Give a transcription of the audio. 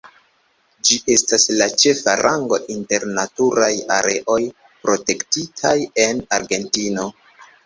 Ĝi estas la ĉefa rango inter Naturaj areoj protektitaj en Argentino.